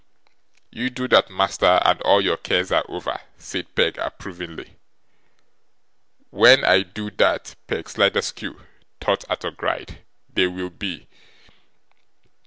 'You do that, master, and all your cares are over,' said Peg approvingly. 'WHEN I do that, Peg Sliderskew,' thought Arthur Gride, 'they will be.